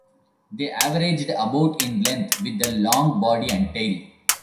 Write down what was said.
They averaged about in length, with a long body and tail.